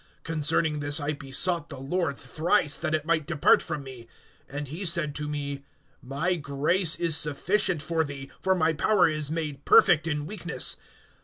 (8)Concerning this I besought the Lord thrice, that it might depart from me. (9)And he said to me: My grace is sufficient for thee; for my power is made perfect in weakness.